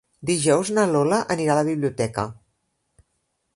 Dijous na Lola anirà a la biblioteca.